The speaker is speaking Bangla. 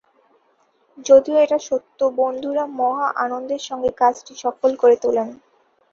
যদিও এটা সত্য, বন্ধুরা মহা আনন্দের সঙ্গে কাজটি সফল করে তোলেন।